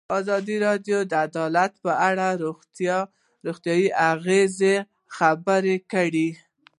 ازادي راډیو د عدالت په اړه د روغتیایي اغېزو خبره کړې.